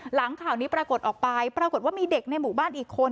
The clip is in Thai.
หลังข่าวนี้ปรากฏออกไปปรากฏว่ามีเด็กในหมู่บ้านอีกคน